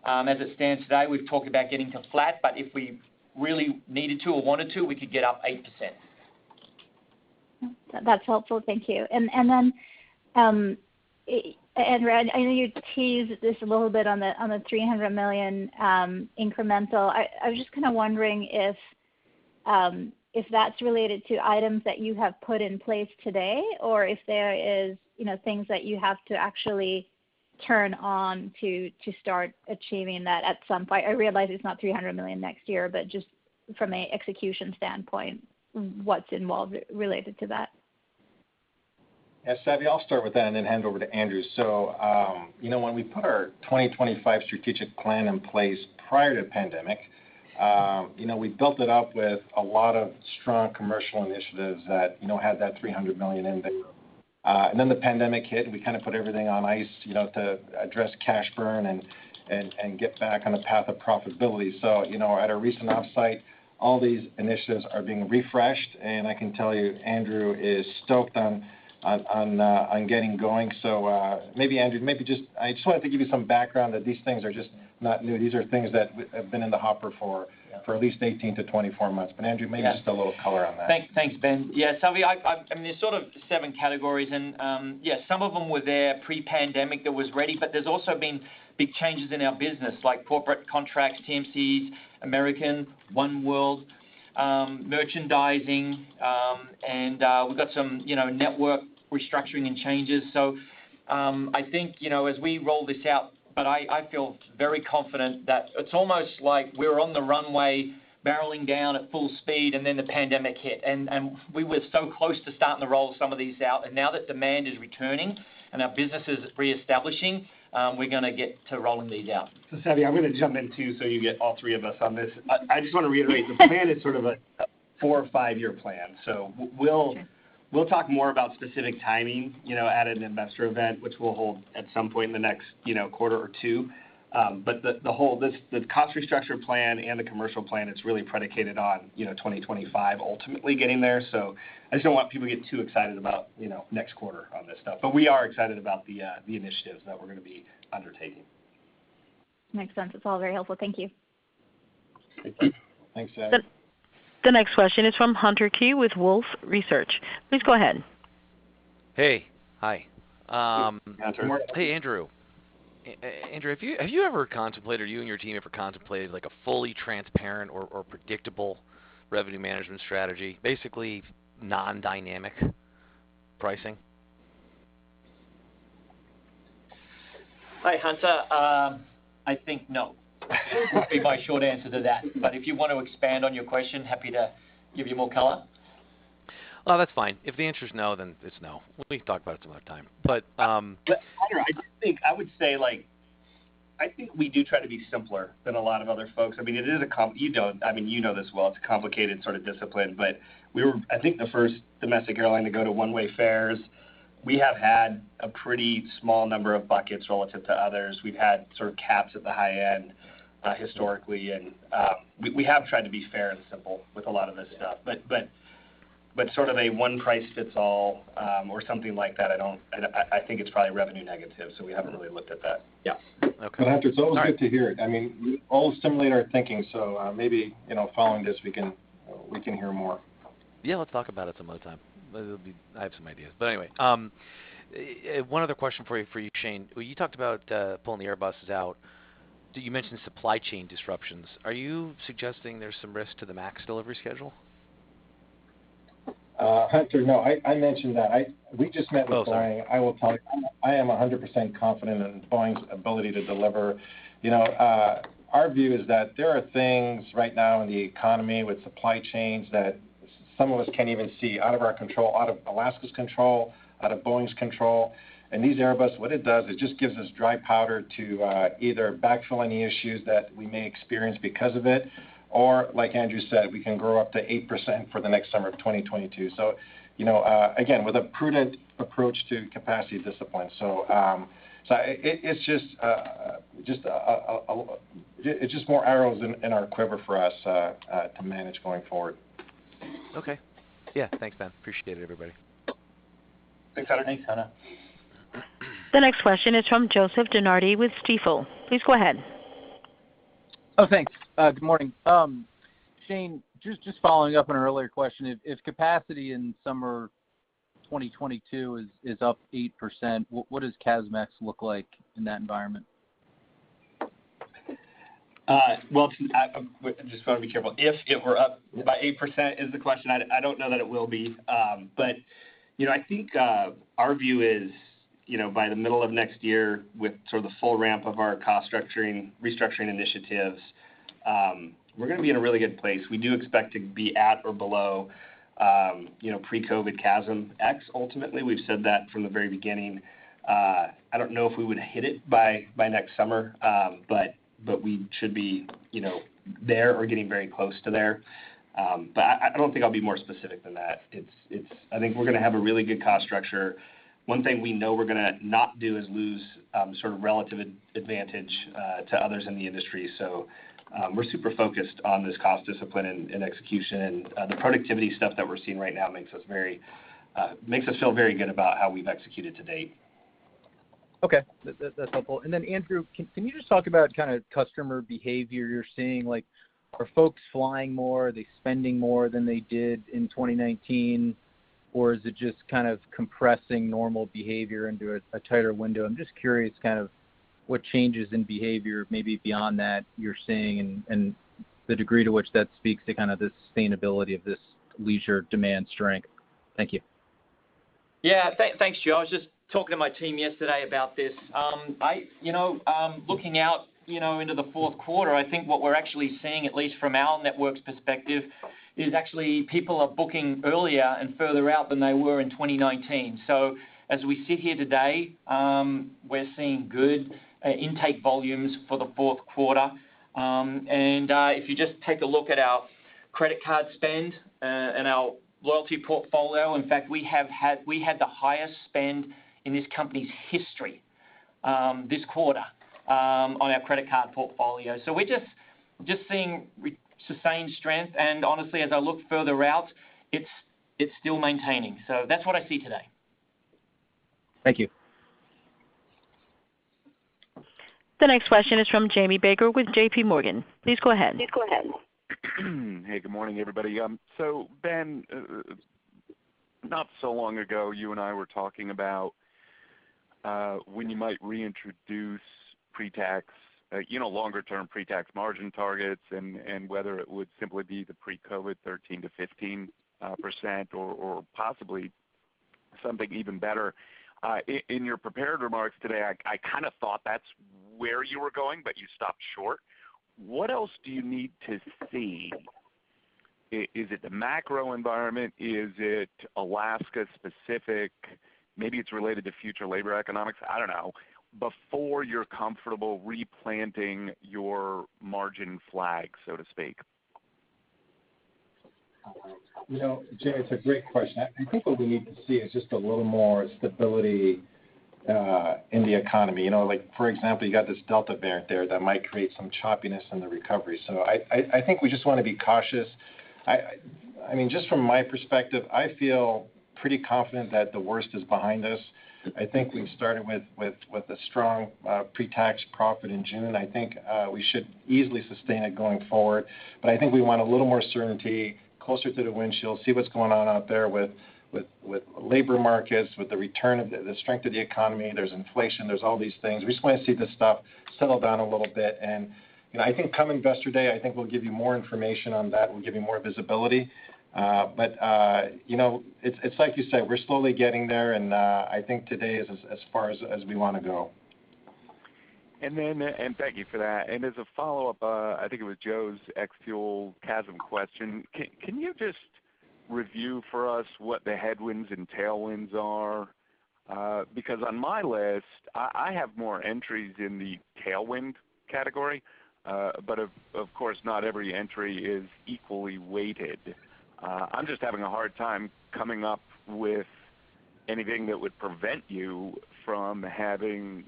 As it stands today, we've talked about getting to flat, but if we really needed to or wanted to, we could get up 8%. That's helpful, thank you. Then, Andrew Harrison, I know you teased this a little bit on the $300 million incremental. I was just kind of wondering if that's related to items that you have put in place today or if there is things that you have to actually turn on to start achieving that at some point. I realize it's not $300 million next year, but just from an execution standpoint, what's involved related to that? Yeah, Savi, I'll start with that and then hand it over to Andrew. When we put our 2025 strategic plan in place prior to pandemic, we built it up with a lot of strong commercial initiatives that had that $300 million in there. The pandemic hit and we kind of put everything on ice to address cash burn and get back on the path of profitability. At a recent offsite, all these initiatives are being refreshed, and I can tell you Andrew is stoked on getting going. Maybe Andrew, I just wanted to give you some background that these things are just not new. These are things that have been in the hopper for at least 18 to 24 months. Andrew, maybe just a little color on that. Thanks, Ben. Yeah, Savi, there's sort of seven categories, and yeah, some of them were there pre-pandemic that was ready, but there's also been big changes in our business, like corporate contracts, TMCs, American, oneworld, merchandising, and we've got some network restructuring and changes. I think as we roll this out, but I feel very confident that it's almost like we were on the runway barreling down at full speed and then the pandemic hit. We were so close to starting to roll some of these out, and now that demand is returning and our business is reestablishing, we're going to get to rolling these out. Savi, I'm going to jump in too so you get all three of us on this. I just want to reiterate, the plan is sort of a four or five-year plan. We'll talk more about specific timing at an investor event, which we'll hold at some point in the next quarter or two. The cost restructure plan and the commercial plan, it's really predicated on 2025 ultimately getting there. I just don't want people to get too excited about next quarter on this stuff. We are excited about the initiatives that we're going to be undertaking. Makes sense. It's all very helpful. Thank you. Thanks, Savi. Thanks, Savi. The next question is from Hunter Keay with Wolfe Research. Please go ahead. Hey. Hi. Hey, Hunter. Hey, Andrew. Andrew, have you and your team ever contemplated a fully transparent or predictable Revenue Management strategy, basically non-dynamic pricing? Hi, Hunter. I think no, would be my short answer to that. If you want to expand on your question, happy to give you more color. Oh, that's fine. If the answer is no, then it's no. We'll talk about it some other time. Hunter, I would say I think we do try to be simpler than a lot of other folks. You know this well, it's a complicated sort of discipline. We were, I think, the first domestic airline to go to one-way fares. We have had a pretty small number of buckets relative to others. We've had sort of caps at the high end historically, and we have tried to be fair and simple with a lot of this stuff. Sort of a one-price-fits-all or something like that, I think it's probably revenue negative, so we haven't really looked at that. Yeah. Okay. Hunter, it's always good to hear it. You all stimulate our thinking, so maybe following this we can hear more. Yeah, let's talk about it some other time. I have some ideas, but anyway. One other question for you, Shane. You talked about pulling the Airbuses out. You mentioned supply chain disruptions. Are you suggesting there's some risk to the MAX delivery schedule? Hunter, no. I mentioned that. We just met with-Boeing. Oh, sorry. I will tell you, I am 100% confident in Boeing's ability to deliver. Our view is that there are things right now in the economy with supply chains that some of us can't even see, out of our control, out of Alaska's control, out of Boeing's control. These Airbus, what it does, it just gives us dry powder to either backfill any issues that we may experience because of it, or like Andrew said, we can grow up to 8% for the next summer of 2022. Again, with a prudent approach to capacity discipline. It's just more arrows in our quiver for us to manage going forward. Okay. Yeah. Thanks, Ben. Appreciate it, everybody. Thanks, Hunter. Thanks, Hunter. The next question is from Joseph DeNardi with Stifel. Please go ahead. Oh, thanks. Good morning. Shane, just following up on an earlier question, if capacity in summer 2022 is up 8%, what does CASMex look like in that environment? Well, I'm just going to be careful. If we're up by 8% is the question. I don't know that it will be. I think our view is by the middle of next year with sort of the full ramp of our cost restructuring initiatives, we're going to be in a really good place. We do expect to be at or below pre-COVID CASMex ultimately. We've said that from the very beginning. I don't know if we would hit it by next summer, but we should be there or getting very close to there. I don't think I'll be more specific than that. I think we're going to have a really good cost structure. One thing we know we're going to not do is lose sort of relative advantage to others in the industry. We're super focused on this cost discipline and execution, and the productivity stuff that we're seeing right now makes us feel very good about how we've executed to date. Okay. That's helpful, Andrew, can you just talk about customer behavior you're seeing? Are folks flying more? Are they spending more than they did in 2019? Or is it just kind of compressing normal behavior into a tighter window? I'm just curious what changes in behavior, maybe beyond that, you're seeing and the degree to which that speaks to the sustainability of this leisure demand strength. Thank you. Yeah. Thanks, Joe. I was just talking to my team yesterday about this. Looking out into the fourth quarter, I think what we're actually seeing, at least from our network's perspective, is actually people are booking earlier and further out than they were in 2019. As we sit here today, we're seeing good intake volumes for the fourth quarter. If you just take a look at our credit card spend and our loyalty portfolio, in fact, we had the highest spend in this company's history this quarter on our credit card portfolio. We're just seeing sustained strength, and honestly, as I look further out, it's still maintaining. That's what I see today. Thank you. The next question is from Jamie Baker with JPMorgan. Please go ahead. Good morning, everybody. Ben, not so long ago, you and I were talking about when you might reintroduce longer-term pre-tax margin targets and whether it would simply be the pre-COVID 13%-15%, or possibly something even better. In your prepared remarks today, I kind of thought that's where you were going, but you stopped short. What else do you need to see? Is it the macro environment? Is it Alaska specific? Maybe it's related to future labor economics, I don't know, before you're comfortable replanting your margin flag, so to speak? Jamie, it's a great question. I think what we need to see is just a little more stability in the economy. For example, you got this Delta variant there that might create some choppiness in the recovery. I think we just want to be cautious. Just from my perspective, I feel pretty confident that the worst is behind us. I think we've started with a strong pre-tax profit in June, and I think we should easily sustain it going forward, I think we want a little more certainty. Closer to the windshield, see what's going on out there with labor markets, with the return of the strength of the economy. There's inflation, there's all these things. We just want to see this stuff settle down a little bit. I think come Investor Day, I think we'll give you more information on that. We'll give you more visibility. It's like you said, we're slowly getting there. I think today is as far as we want to go. Thank you for that. As a follow-up, I think it was Joseph's ex-fuel CASM question. Can you just review for us what the headwinds and tailwinds are? On my list, I have more entries in the tailwind category. Of course, not every entry is equally weighted. I'm just having a hard time coming up with anything that would prevent you from having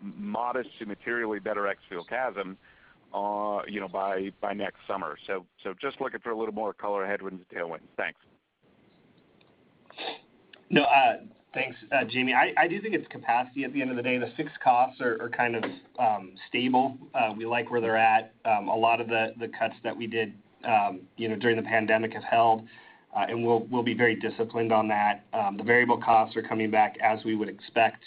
modest to materially better ex-fuel CASM by next summer. Just looking for a little more color, headwinds and tailwinds. Thanks. No. Thanks, Jamie. I do think it's capacity at the end of the day. The fixed costs are kind of stable. We like where they're at. A lot of the cuts that we did during the pandemic have held. We'll be very disciplined on that. The variable costs are coming back as we would expect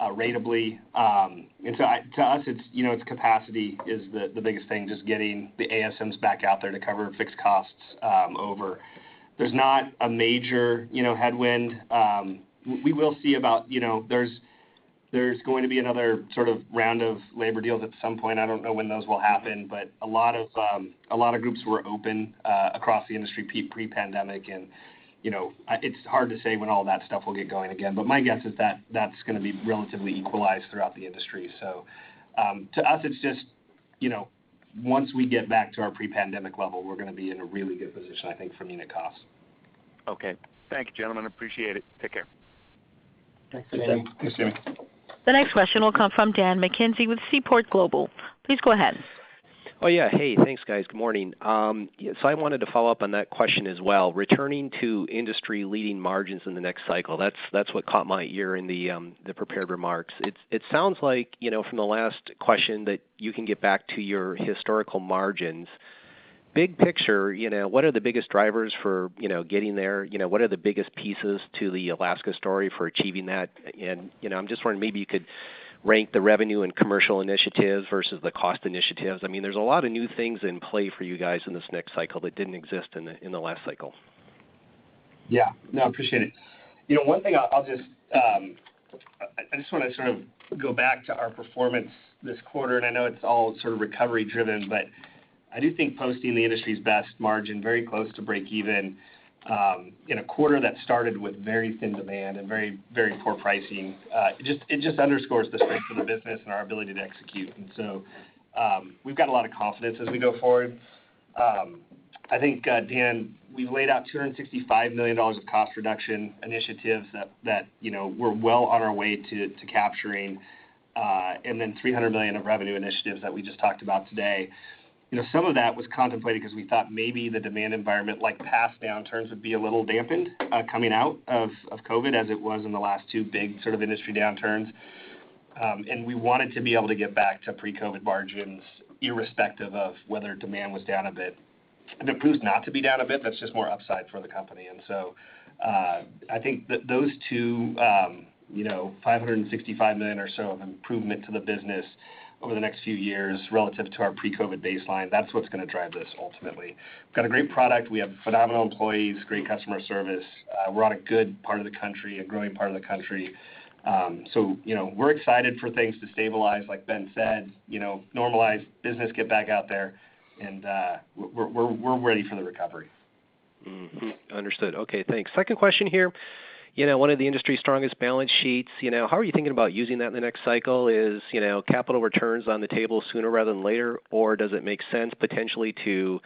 rateably. To us, it's capacity is the biggest thing, just getting the ASMs back out there to cover fixed costs over. There's not a major headwind. There's going to be another sort of round of labor deals at some point. I don't know when those will happen, but a lot of groups were open across the industry pre-pandemic, and it's hard to say when all that stuff will get going again. My guess is that that's going to be relatively equalized throughout the industry. To us, it's just once we get back to our pre-pandemic level, we're going to be in a really good position, I think, from a unit cost. Okay. Thank you, gentlemen. Appreciate it. Take care. Thanks, Jamie. Thanks, Jamie. The next question will come from Dan McKenzie with Seaport Global. Please go ahead. Oh, yeah. Hey. Thanks, guys. Good morning. I wanted to follow up on that question as well. Returning to industry-leading margins in the next cycle, that's what caught my ear in the prepared remarks. It sounds like from the last question that you can get back to your historical margins. Big picture, what are the biggest drivers for getting there? What are the biggest pieces to the Alaska story for achieving that? I'm just wondering, maybe you could rank the revenue and commercial initiatives versus the cost initiatives. There's a lot of new things in play for you guys in this next cycle that didn't exist in the last cycle. Yeah. No, appreciate it. One thing, I just want to sort of go back to our performance this quarter, and I know it's all sort of recovery driven, but I do think posting the industry's best margin, very close to break even in a quarter that started with very thin demand and very poor pricing. It just underscores the strength of the business and our ability to execute. We've got a lot of confidence as we go forward. I think, Dan McKenzie, we've laid out $265 million of cost reduction initiatives that we're well on our way to capturing. $300 million of revenue initiatives that we just talked about today. Some of that was contemplated because we thought maybe the demand environment, like past downturns, would be a little dampened coming out of COVID as it was in the last two big sort of industry downturns. We wanted to be able to get back to pre-COVID margins irrespective of whether demand was down a bit. It proves not to be down a bit, that's just more upside for the company. I think that those $565 million or so of improvement to the business over the next few years relative to our pre-COVID baseline, that's what's going to drive this ultimately. We've got a great product. We have phenomenal employees, great customer service. We're on a good part of the country, a growing part of the country. We're excited for things to stabilize, like Ben said, normalize business, get back out there, and we're ready for the recovery. Mm-hmm. Understood. Okay, thanks. Second question here. One of the industry's strongest balance sheets. How are you thinking about using that in the next cycle? Is capital returns on the table sooner rather than later, or does it make sense potentially to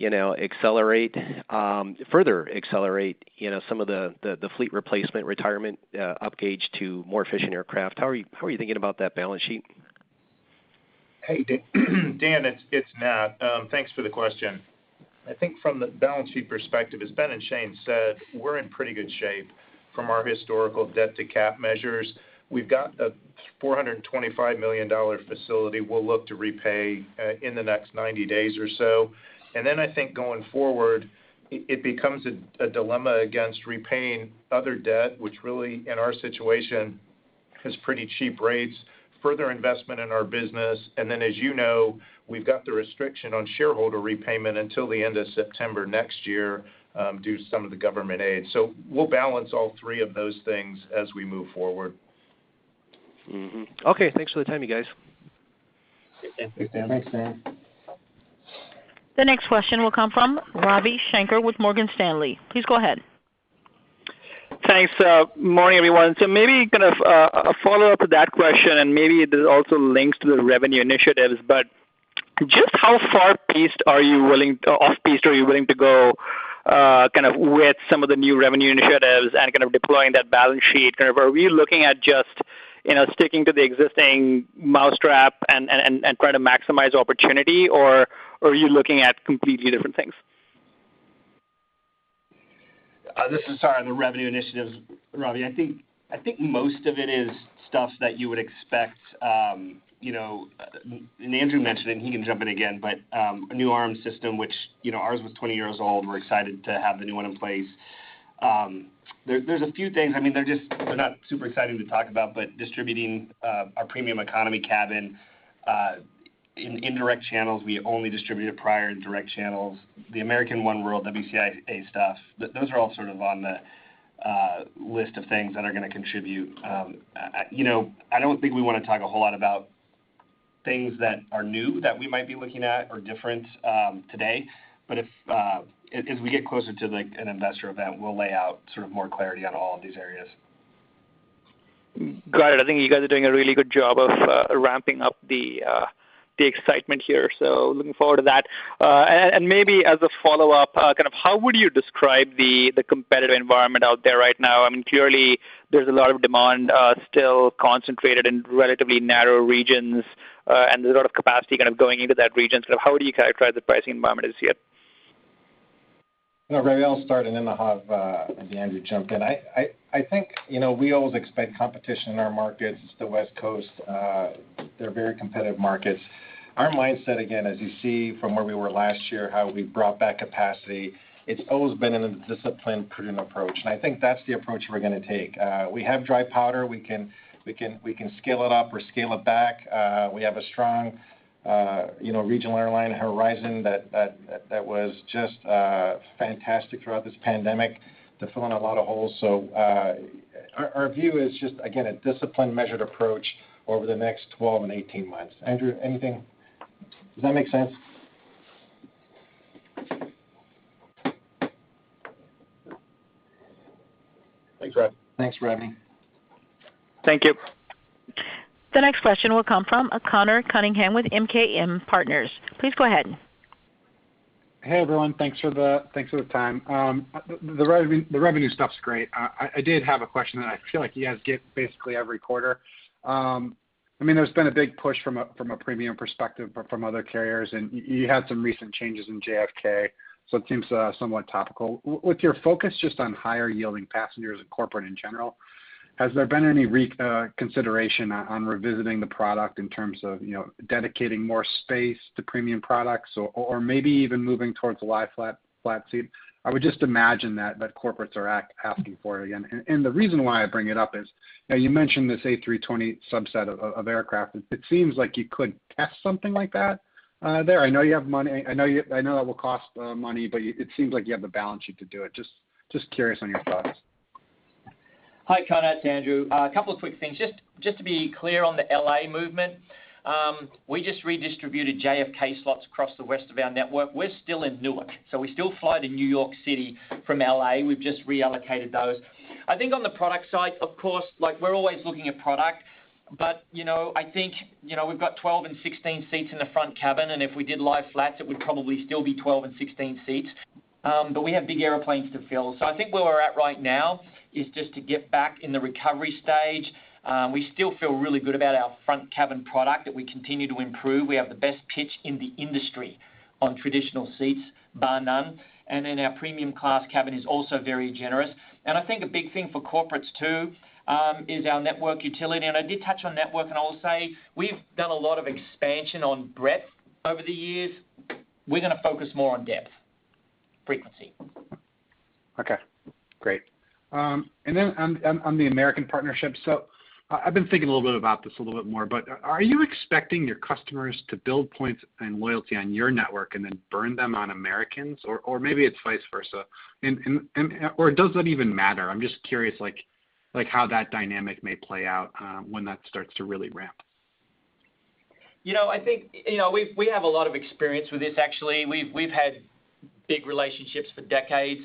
further accelerate some of the fleet replacement, retirement upgauge to more efficient aircraft? How are you thinking about that balance sheet? Hey, Dan, it's Nat. Thanks for the question. I think from the balance sheet perspective, as Ben and Shane said, we're in pretty good shape from our historical debt-to-cap measures. We've got a $425 million facility we'll look to repay in the next 90 days or so. Then I think going forward, it becomes a dilemma against repaying other debt, which really, in our situation, has pretty cheap rates, further investment in our business, and then as you know, we've got the restriction on shareholder repayment until the end of September next year due to some of the government aid. We'll balance all three of those things as we move forward. Okay, thanks for the time, you guys. Thanks, Dan. Thanks, Dan. The next question will come from Ravi Shanker with Morgan Stanley. Please go ahead. Thanks. Morning, everyone. Maybe kind of a follow-up to that question, and maybe this also links to the revenue initiatives, but just how far off-piste are you willing to go kind of with some of the new revenue initiatives and kind of deploying that balance sheet? Are we looking at just sticking to the existing mousetrap and trying to maximize opportunity, or are you looking at completely different things? This is the revenue initiatives, Ravi. I think most of it is stuff that you would expect. Andrew mentioned it, and he can jump in again, but a new RM system, which ours was 20 years old. We're excited to have the new one in place. There's a few things, they're not super exciting to talk about, but distributing our Premium Class in indirect channels. We only distributed prior in direct channels. The American oneworld, WCIA stuff, those are all sort of on the list of things that are going to contribute. I don't think we want to talk a whole lot about things that are new that we might be looking at or different today. As we get closer to an investor event, we'll lay out more clarity on all of these areas. Got it. I think you guys are doing a really good job of ramping up the excitement here, so looking forward to that. Maybe as a follow-up, how would you describe the competitive environment out there right now? Clearly there's a lot of demand still concentrated in relatively narrow regions, and there's a lot of capacity going into that region. How would you characterize the pricing environment as yet? Yeah, Ravi, I'll start, and then I'll have Andrew jump in. I think we always expect competition in our markets. It's the West Coast. They're very competitive markets. Our mindset, again, as you see from where we were last year, how we've brought back capacity, it's always been a disciplined, prudent approach, and I think that's the approach we're going to take. We have dry powder. We can scale it up or scale it back. We have a strong regional airline, Horizon, that was just fantastic throughout this pandemic to fill in a lot of holes. Our view is just, again, a disciplined, measured approach over the next 12 and 18 months. Andrew, anything? Does that make sense? Thanks, Ravi. Thanks, Ravi. Thank you. The next question will come from Conor Cunningham with MKM Partners. Please go ahead. Hey, everyone. Thanks for the time. The revenue stuff's great. I did have a question that I feel like you guys get basically every quarter. There's been a big push from a premium perspective from other carriers, and you had some recent changes in JFK, so it seems somewhat topical. With your focus just on higher-yielding passengers and corporate in general, has there been any reconsideration on revisiting the product in terms of dedicating more space to premium products or maybe even moving towards a lie-flat seat? I would just imagine that corporates are asking for it again. The reason why I bring it up is, you mentioned this A320 subset of aircraft. It seems like you could test something like that there. I know that will cost money, but it seems like you have the balance sheet to do it. Just curious on your thoughts. Hi, Conor, it's Andrew. A couple of quick things. Just to be clear on the L.A. movement, we just redistributed JFK slots across the rest of our network. We're still in Newark, we still fly to New York City from L.A., we've just reallocated those. I think on the product side, of course, we're always looking at product. I think we've got 12 and 16 seats in the front cabin, and if we did lie-flat, it would probably still be 12 and 16 seats. We have big airplanes to fill. I think where we're at right now is just to get back in the recovery stage. We still feel really good about our front cabin product that we continue to improve. We have the best pitch in the industry on traditional seats, bar none. Then our Premium Class cabin is also very generous. I think a big thing for corporates too, is our network utility. I did touch on network, I'll say we've done a lot of expansion on breadth over the years. We're going to focus more on depth, frequency. Okay, great. On the American partnership, I've been thinking a little bit about this a little bit more. Are you expecting your customers to build points and loyalty on your network and then burn them on American's? Maybe it's vice versa. Does it even matter? I'm just curious how that dynamic may play out when that starts to really ramp. I think we have a lot of experience with this, actually. We've had big relationships for decades.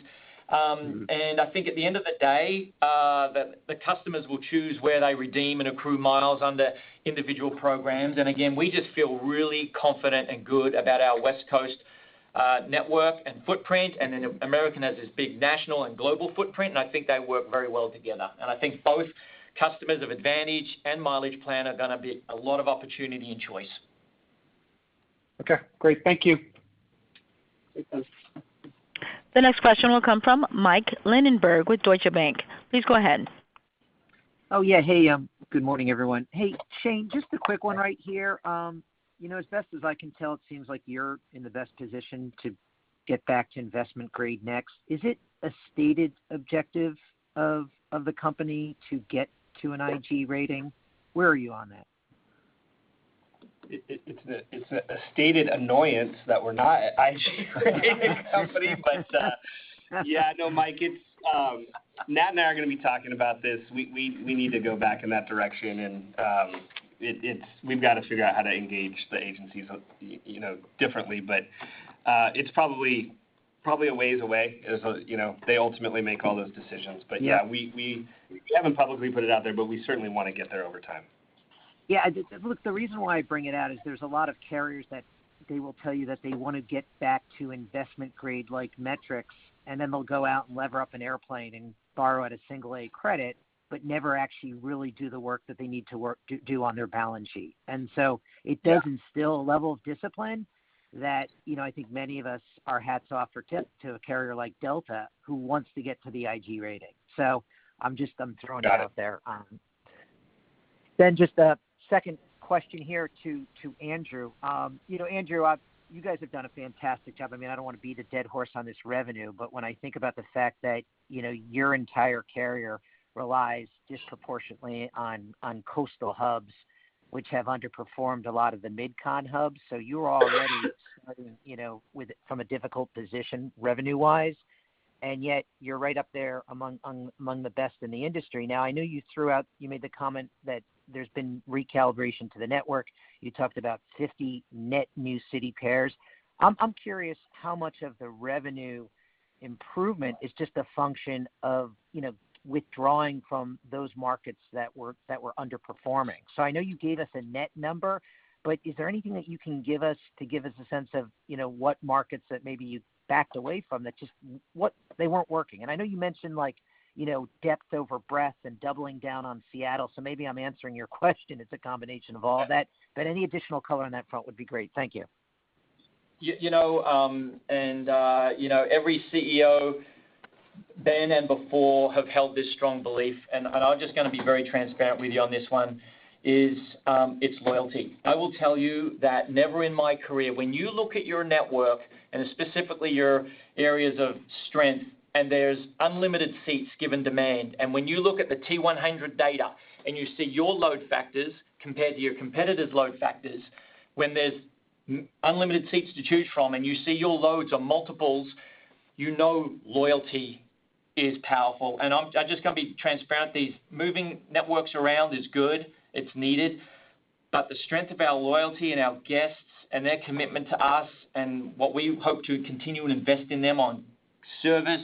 I think at the end of the day, the customers will choose where they redeem and accrue miles under individual programs. Again, we just feel really confident and good about our West Coast network and footprint. Then American has this big national and global footprint, and I think they work very well together. I think both customers of Advantage and Mileage Plan are going to be a lot of opportunity and choice. Okay, great. Thank you. The next question will come from Mike Linenberg with Deutsche Bank. Please go ahead. Oh, yeah. Hey, good morning, everyone. Hey, Shane, just a quick one right here. As best as I can tell, it seems like you're in the best position to get back to investment grade next. Is it a stated objective of the company to get to an IG rating? Where are you on that? It's a stated annoyance that we're not an IG rated company. Yeah. No, Mike, Nat and I are going to be talking about this. We need to go back in that direction, and we've got to figure out how to engage the agencies differently. It's probably a ways away, as they ultimately make all those decisions. Yeah. Yeah, we haven't publicly put it out there, but we certainly want to get there over time. Yeah. Look, the reason why I bring it out is there's a lot of carriers that they will tell you that they want to get back to investment-grade-like metrics, and then they'll go out and lever up an airplane and borrow at a single A credit, but never actually really do the work that they need to do on their balance sheet. It does instill a level of discipline that I think many of us are hats off or tip to a carrier like Delta who wants to get to the IG rating. I'm just throwing it out there. Just a second question here to Andrew. Andrew, you guys have done a fantastic job. I don't want to beat a dead horse on this revenue. When I think about the fact that your entire carrier relies disproportionately on coastal hubs, which have underperformed a lot of the mid-con hubs, you're already starting from a difficult position revenue-wise, and yet you're right up there among the best in the industry. I know you made the comment that there's been recalibration to the network. You talked about 50 net new city pairs. I'm curious how much of the revenue improvement is just a function of withdrawing from those markets that were underperforming. I know you gave us a net number, but is there anything that you can give us to give us a sense of what markets that maybe you backed away from that just they weren't working? I know you mentioned depth over breadth and doubling down on Seattle, so maybe I'm answering your question, it's a combination of all that. Any additional color on that front would be great. Thank you. Every CEO, Ben and before, have held this strong belief, and I'm just going to be very transparent with you on this one, is it's loyalty. I will tell you that never in my career, when you look at your network and specifically your areas of strength, and there's unlimited seats given demand, and when you look at the T100 data and you see your load factors compared to your competitor's load factors, when there's unlimited seats to choose from and you see your loads are multiples, you know loyalty is powerful. And I'm just going to be transparent. Moving networks around is good. It's needed. The strength of our loyalty and our guests and their commitment to us and what we hope to continue and invest in them on service,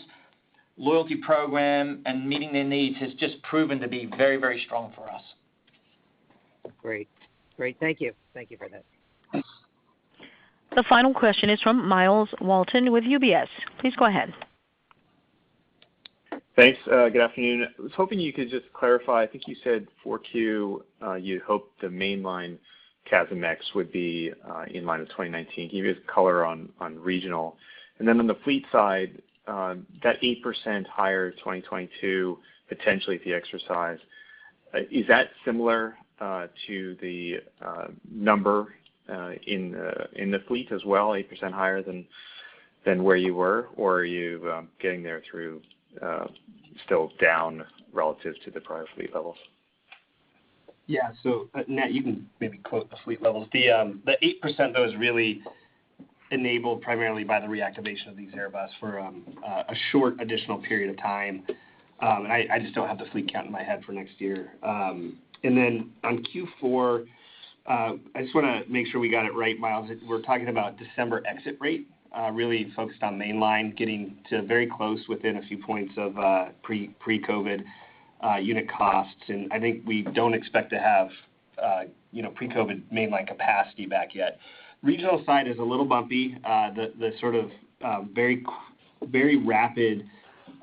loyalty program, and meeting their needs has just proven to be very, very strong for us. Great. Thank you. Thank you for that. The final question is from Myles Walton with UBS. Please go ahead. Thanks. Good afternoon. I was hoping you could just clarify, I think you said 4Q, you hope the mainline CASMex would be in line with 2019. Can you give us color on regional? On the fleet side, that 8% higher 2022, potentially if you exercise, is that similar to the number in the fleet as well, 8% higher than where you were? Are you getting there through still down relative to the prior fleet levels? Nat, you can maybe quote the fleet levels. The 8%, though, is really enabled primarily by the reactivation of these Airbus for a short additional period of time. I just don't have the fleet count in my head for next year. On Q4, I just want to make sure we got it right, Myles. We're talking about December exit rate, really focused on mainline getting to very close within a few points of pre-COVID unit costs. I think we don't expect to have pre-COVID mainline capacity back yet. Regional side is a little bumpy. The sort of very rapid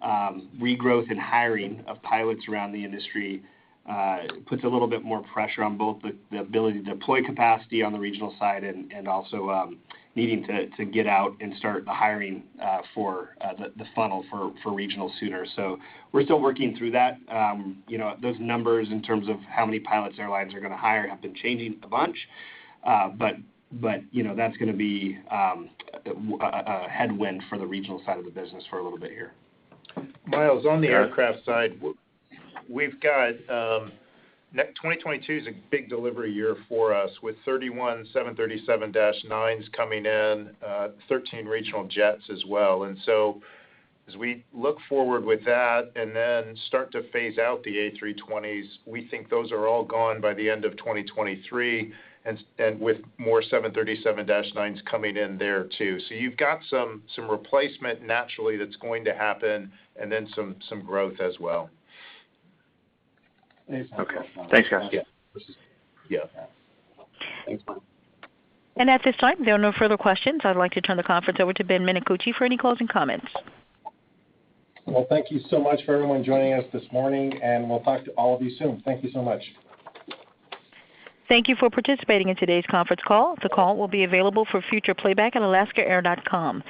regrowth and hiring of pilots around the industry puts a little bit more pressure on both the ability to deploy capacity on the regional side and also needing to get out and start hiring for the funnel for regional sooner. We're still working through that. Those numbers in terms of how many pilots airlines are going to hire have been changing a bunch. That's going to be a headwind for the regional side of the business for a little bit here. Myles, on the aircraft side, we've got 2022 is a big delivery year for us with 31 737-9s coming in, 13 regional jets as well. As we look forward with that and then start to phase out the A320s, we think those are all gone by the end of 2023 and with more 737-9s coming in there too. You've got some replacement naturally that's going to happen and then some growth as well. Okay. Thanks, guys. Yeah. Yeah. Thanks, Myles. At this time, there are no further questions. I'd like to turn the conference over to Ben Minicucci for any closing comments. Well, thank you so much for everyone joining us this morning, and we'll talk to all of you soon. Thank you so much. Thank you for participating in today's conference call. The call will be available for future playback at alaskaair.com.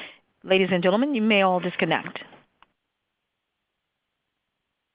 Ladies and gentlemen, you may all disconnect.